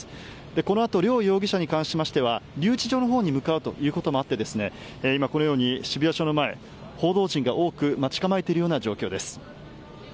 このあと両容疑者に関しましては留置場のほうに向かうこともあって今、このように渋谷署の前は報道陣が多く待ち構えている状況です。